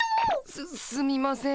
すすみません。